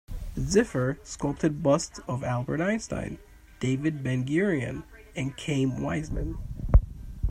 Ziffer sculpted busts of Albert Einstein, David Ben-Gurion and Chaim Weizmann.